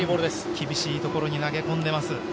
厳しいところに投げ込んでいます。